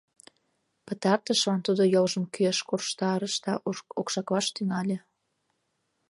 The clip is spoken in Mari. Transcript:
Пытартышлан тудо йолжым кӱэш корштарыш да окшаклаш тӱҥале.